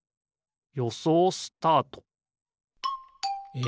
よそうスタート！え